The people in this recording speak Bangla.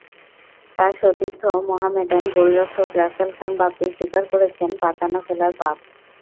তাঁর সতীর্থ মোহামেডান গোলরক্ষক রাসেল খান বাপ্পি স্বীকার করেছেন পাতানো খেলার পাপ।